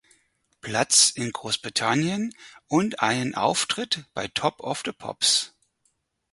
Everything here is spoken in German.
Platz in Großbritannien und einen Auftritt bei Top Of The Pops.